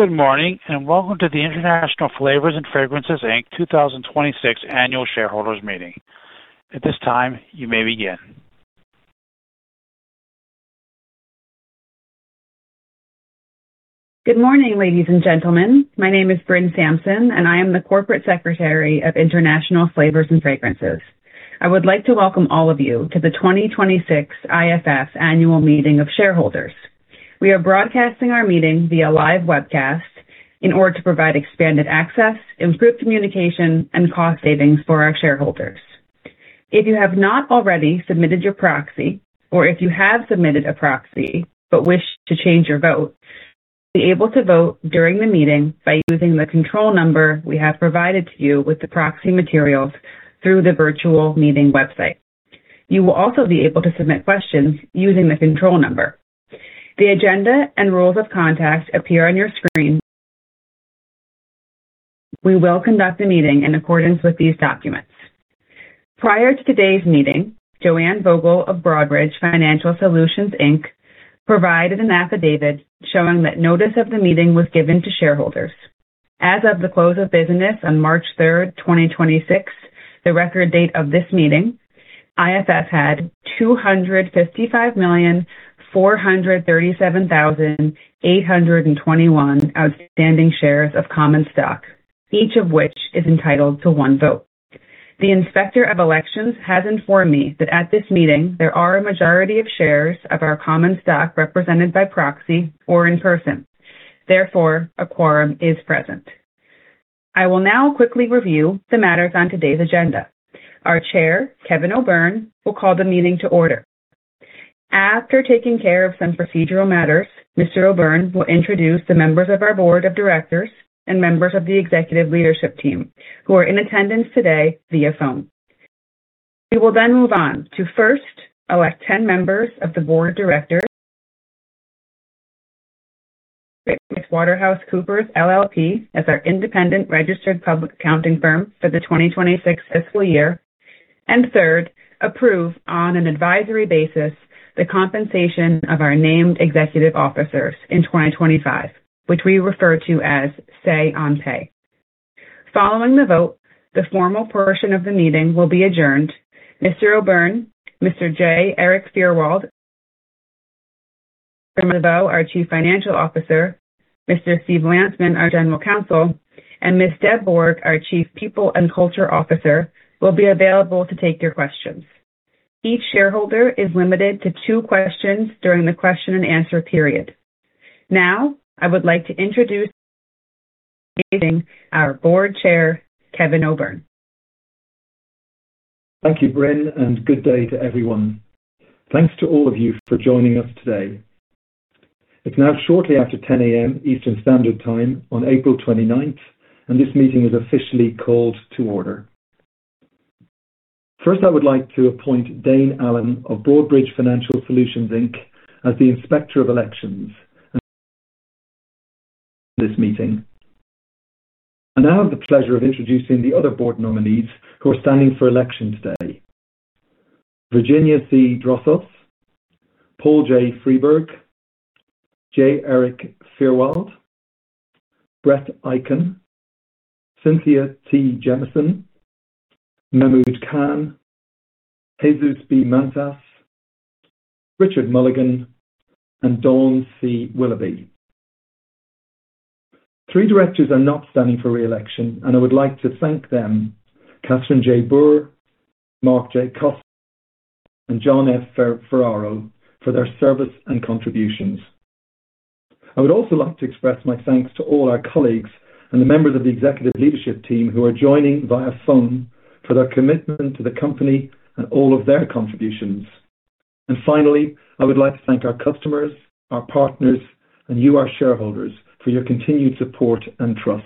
Good morning, and welcome to the International Flavors & Fragrances, Inc. 2026 Annual Shareholders Meeting. At this time, you may begin. Good morning, ladies and gentlemen. My name is Brynn Samson, and I am the Corporate Secretary of International Flavors & Fragrances Inc. I would like to welcome all of you to the 2026 IFF annual meeting of shareholders. We are broadcasting our meeting via live webcast in order to provide expanded access, improved communication, and cost savings for our shareholders. If you have not already submitted your proxy or if you have submitted a proxy but wish to change your vote, you will be able to vote during the meeting by using the control number we have provided to you with the proxy materials through the virtual meeting website. You will also be able to submit questions using the control number. The agenda and rules of contact appear on your screen. We will conduct the meeting in accordance with these documents. Prior to today's meeting, Joanne Vogel of Broadridge Financial Solutions, Inc. provided an affidavit showing that notice of the meeting was given to shareholders. As of the close of business on March 3, 2026, the record date of this meeting, IFF had 255,437,821 outstanding shares of common stock, each of which is entitled to one vote. The Inspector of Elections has informed me that at this meeting there are a majority of shares of our common stock represented by proxy or in person. Therefore, a quorum is present. I will now quickly review the matters on today's agenda. Our chair, Kevin O'Byrne, will call the meeting to order. After taking care of some procedural matters, Mr. O'Byrne will introduce the members of our board of directors and members of the executive leadership team who are in attendance today via phone. We will then move on to first elect 10 members of the board of directors. [PricewaterhouseCoopers], LLP as our independent registered public accounting firm for the 2026 fiscal year. Third, approve on an advisory basis the compensation of our named executive officers in 2025, which we refer to as Say on Pay. Following the vote, the formal portion of the meeting will be adjourned. Mr. O'Byrne, Mr. J. Erik Fyrwald, Mr. DeVeau, our Chief Financial Officer, Mr. Steve Landsman, our General Counsel, and Ms. Deb Borg, our Chief People and Culture Officer, will be available to take your questions. Each shareholder is limited to two questions during the question and answer period. Now, I would like to introduce our Board Chair, Kevin O'Byrne. Thank you, Brynn, and good day to everyone. Thanks to all of you for joining us today. It's now shortly after 10:00 A.M. Eastern Standard Time on April 29th, and this meeting is officially called to order. First, I would like to appoint Dianne Allen of Broadridge Financial Solutions, Inc. as the Inspector of Elections for this meeting. I now have the pleasure of introducing the other board nominees who are standing for election today. Virginia C. Drosos, Paul J. Fribourg, J. Erik Fyrwald, Brett Icahn, Cynthia T. Jamison, Mehmood Khan, Jesus B. Mantas, Richard Mulligan, and Dawn C. Willoughby. Three directors are not standing for re-election, and I would like to thank them, Kathryn J. Boor, Mark J. Costa, and John F. Ferraro for their service and contributions. I would also like to express my thanks to all our colleagues and the members of the executive leadership team who are joining via phone for their commitment to the company and all of their contributions. Finally, I would like to thank our customers, our partners, and you, our shareholders, for your continued support and trust.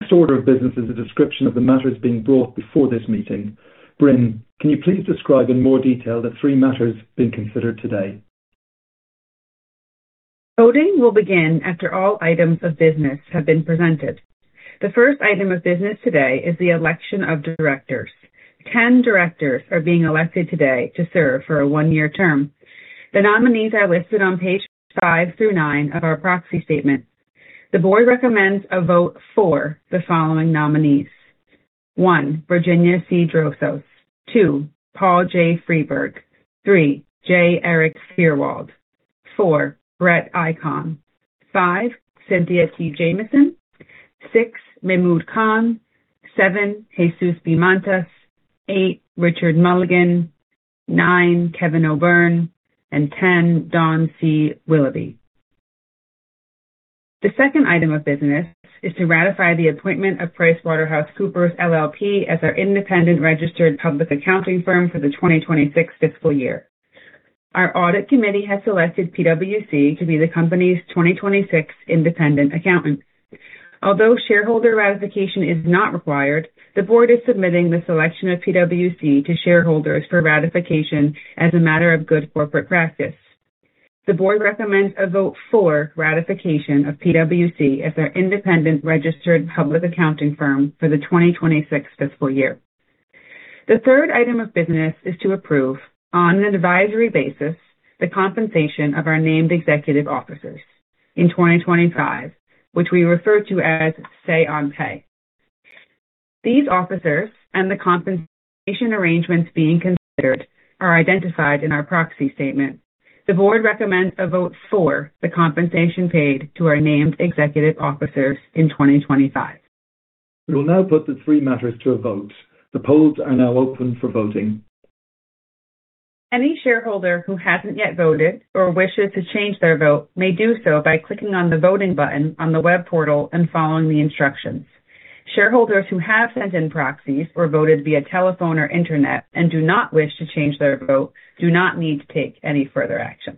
The next order of business is a description of the matters being brought before this meeting. Brynn, can you please describe in more detail the three matters being considered today? Voting will begin after all items of business have been presented. The first item of business today is the election of directors. 10 directors are being elected today to serve for a one year term. The nominees are listed on page five through nine of our proxy statement. The board recommends a vote for the following nominees. One, Virginia C. Drosos. Two, Paul J. Fribourg. Three, J. Erik Fyrwald. Four, Brett Icahn. Five, Cynthia T. Jamison. Six, Mehmood Khan. Seven, Jesus B. Mantas. Eight, Richard Mulligan. Nine, Kevin O'Byrne. 10, Dawn C. Willoughby. The second item of business is to ratify the appointment of PricewaterhouseCoopers, LLP as our independent registered public accounting firm for the 2026 fiscal year. Our audit committee has selected PwC to be the company's 2026 independent accountant. Although shareholder ratification is not required, the board is submitting the selection of PwC to shareholders for ratification as a matter of good corporate practice. The board recommends a vote for ratification of PwC as their independent registered public accounting firm for the 2026 fiscal year. The third item of business is to approve on an advisory basis, the compensation of our named executive officers in 2025, which we refer to as Say on Pay. These officers and the compensation arrangements being considered are identified in our proxy statement. The board recommends a vote for the compensation paid to our named executive officers in 2025. We will now put the three matters to a vote. The polls are now open for voting. Any shareholder who hasn't yet voted or wishes to change their vote may do so by clicking on the voting button on the web portal and following the instructions. Shareholders who have sent in proxies or voted via telephone or internet and do not wish to change their vote, do not need to take any further action.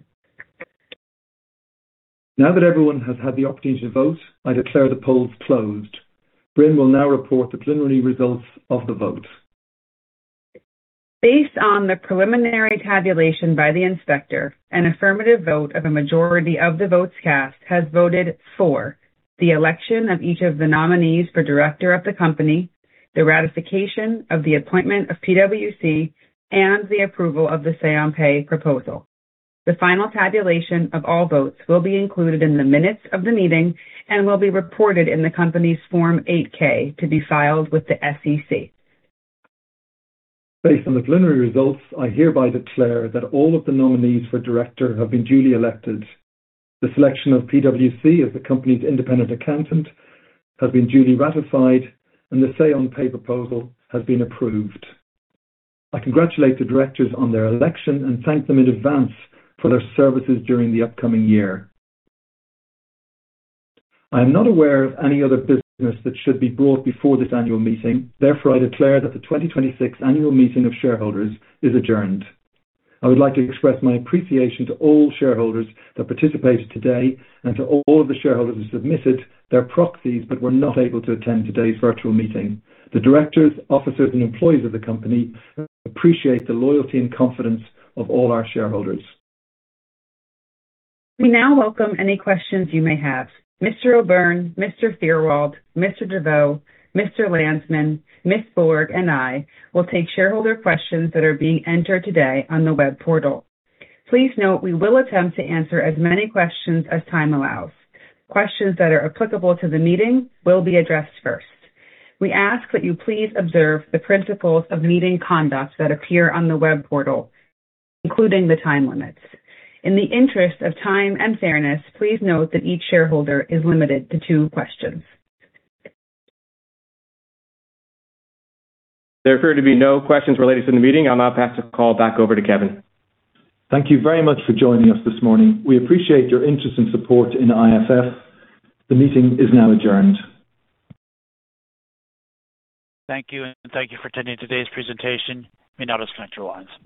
Now that everyone has had the opportunity to vote, I declare the polls closed. Brynn will now report the preliminary results of the vote Based on the preliminary tabulation by the inspector, an affirmative vote of a majority of the votes cast has voted for the election of each of the nominees for director of the company, the ratification of the appointment of PwC, and the approval of the Say on Pay proposal. The final tabulation of all votes will be included in the minutes of the meeting and will be reported in the company's Form 8-K to be filed with the SEC. Based on the preliminary results, I hereby declare that all of the nominees for director have been duly elected. The selection of PwC as the company's independent accountant has been duly ratified and the say on pay proposal has been approved. I congratulate the directors on their election and thank them in advance for their services during the upcoming year. I am not aware of any other business that should be brought before this annual meeting. I declare that the 2026 annual meeting of shareholders is adjourned. I would like to express my appreciation to all shareholders that participated today and to all of the shareholders who submitted their proxies but were not able to attend today's virtual meeting. The directors, officers, and employees of the company appreciate the loyalty and confidence of all our shareholders. We now welcome any questions you may have. Mr. O'Byrne, Mr. Fyrwald, Mr. DeVeau, Mr. Landsman, Ms. Borg, and I will take shareholder questions that are being entered today on the web portal. Please note we will attempt to answer as many questions as time allows. Questions that are applicable to the meeting will be addressed first. We ask that you please observe the principles of meeting conduct that appear on the web portal, including the time limits. In the interest of time and fairness, please note that each shareholder is limited to two questions. There appear to be no questions related to the meeting. I'll now pass the call back over to Kevin. Thank you very much for joining us this morning. We appreciate your interest and support in IFF. The meeting is now adjourned. Thank you, and thank you for attending today's presentation. You may now disconnect your lines.